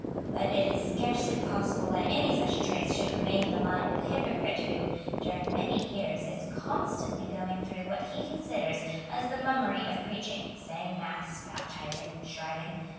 But it is scarcely possible that any such trace should remain in the mind of the hypocrite who, during many years, is constantly going through what he considers as the mummery of preaching, saying mass, baptizing, shriving.